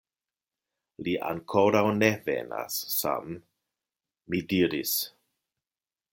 Li ankoraŭ ne venas, Sam, mi diris.